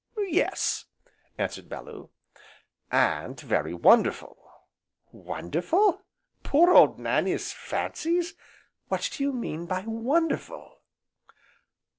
"Yes," answered Bellew, "and very wonderful!" "Wonderful? poor old Nannie's fancies! What do you mean by wonderful?"